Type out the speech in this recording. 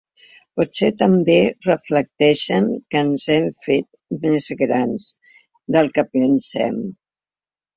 Potser també reflecteixen que ens hem fet més grans del que pensem.